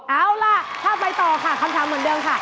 เอาล่ะถ้าไปต่อค่ะคำถามเหมือนเดิมค่ะ